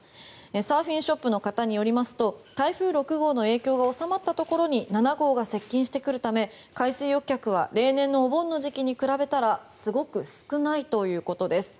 サーフィンショップの方によりますと台風６号の影響が収まったところに７号が接近してくるため海水浴客は例年のお盆の時期に比べたらすごく少ないということです。